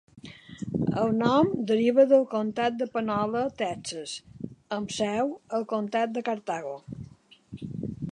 El nom deriva del comtat de Panola, Texas, amb seu al comtat de Cartago.